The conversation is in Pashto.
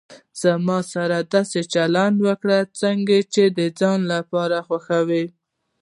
زما سره داسي چلند وکړه، څنګه چي د ځان لپاره خوښوي.